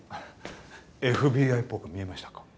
ＦＢＩっぽく見えましたか？